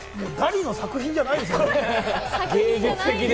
ダリの作品じゃないですよね？